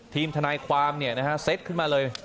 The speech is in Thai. ทีมทนายความเนี่ยนะฮะเซตขึ้นมาเลย